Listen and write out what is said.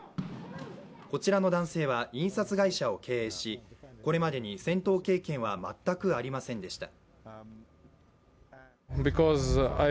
こちらの男性は印刷会社を経営し、これまでに戦闘経験は全くありませんでした。